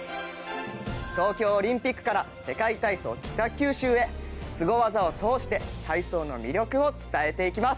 東京オリンピックから世界体操北九州へスゴ技を通して体操の魅力を伝えていきます。